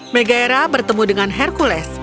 mega hera bertemu dengan hercules